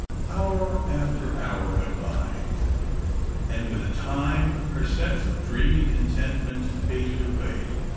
Hour after hour went by, and with the time her sense of dreamy contentment faded away.